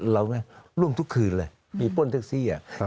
เราร่วมทุกคืนเลยมีป้นแท็กซี่